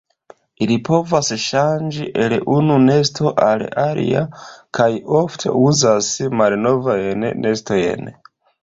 Ili povas ŝanĝi el unu nesto al alia kaj ofte uzas malnovajn nestojn.